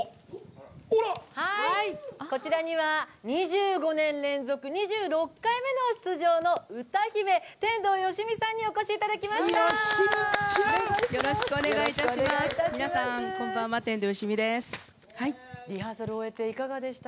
こちらには２５年連続２６回目の出場の歌姫、天童よしみさんにお越しいただきました。